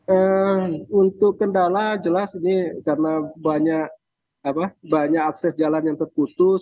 eee untuk kendala jelas ini karena banyak akses jalan yang terputus